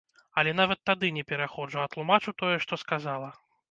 Але нават тады не пераходжу, а тлумачу тое, што сказала.